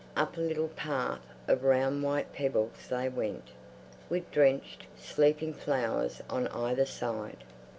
Up a little path of round white pebbles they went, with drenched sleeping flowers on either side.